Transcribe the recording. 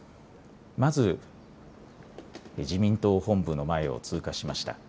まず自民党本部の前を通過しました。